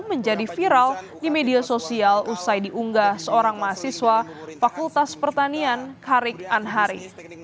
menjadi viral di media sosial usai diunggah seorang mahasiswa fakultas pertanian karik anhari